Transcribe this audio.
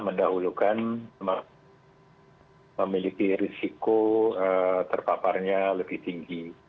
mendahulukan memiliki risiko terpaparnya lebih tinggi